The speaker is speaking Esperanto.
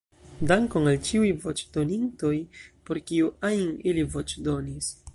Dankon al ĉiuj voĉdonintoj, por kiu ajn ili voĉdonis.